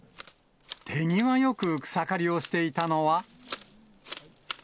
手際よく草刈りをしていたのは。